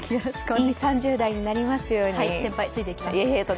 いい３０代になりますように。